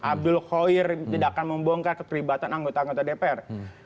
abdul khoir tidak akan membongkar keterlibatan anggota anggota dpr